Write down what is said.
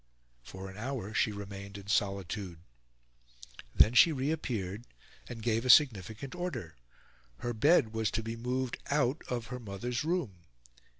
For an hour she remained in solitude. Then she reappeared, and gave a significant order: her bed was to be moved out of her mother's room.